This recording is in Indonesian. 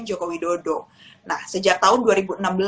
jokowi dodo nah sejak tahun